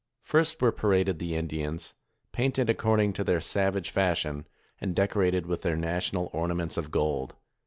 First, were paraded the Indians, painted according to their savage fashion, and decorated with their national ornaments of gold.